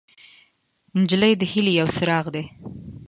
نجلۍ د هیلې یو څراغ دی.